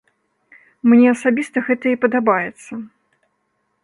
Мне асабіста гэта і падабаецца.